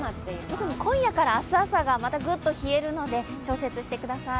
特に今夜から明日朝がグッと冷えるので調節してください。